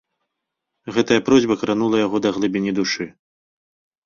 Гэтая просьба кранула яго да глыбіні душы.